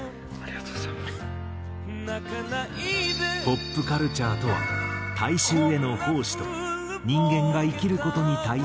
ポップカルチャーとは大衆への奉仕と人間が生きる事に対する肯定。